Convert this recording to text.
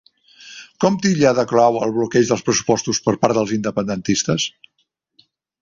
Com titlla Ada Colau el bloqueig dels pressupostos per part dels independentistes?